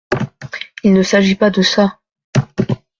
Il ne s’agit pas de ça…